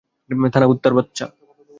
ধানা, কুত্তার বাচ্চা।